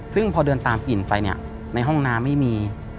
ซึ่งพอเดินตามอิ่นไปในห้องน้ำไม่มี